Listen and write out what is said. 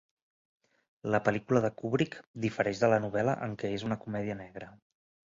La pel·lícula de Kubrick difereix de la novel·la en que és una comèdia negra.